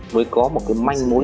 mới có một cái manh mối